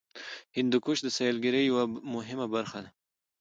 هندوکش د سیلګرۍ یوه مهمه برخه ده.